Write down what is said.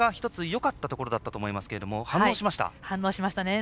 １つよかったところだったと思いますが反応しました。